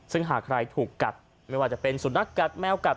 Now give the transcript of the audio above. ซึ่งหากใครถูกกัดไม่ว่าจะเป็นสุนัขกัดแมวกัด